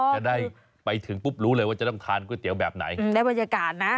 จะได้ไปถึงปุ๊บรู้เลยว่าจะต้องทานก๋วยเตี๋ยวแบบไหนได้บรรยากาศนะ